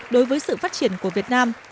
đối với sự phát triển của việt nam